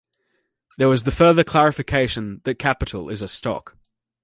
There was the further clarification that capital is a stock.